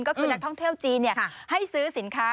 ก็คือนักท่องเที่ยวจีนให้ซื้อสินค้า